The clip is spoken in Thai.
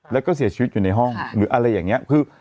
แล้วก็เสียชีวิตอยู่ในห้องหรืออะไรอย่างนี้คือ